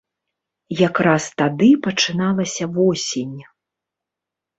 Якраз тады пачыналася восень.